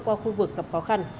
qua khu vực gặp khó khăn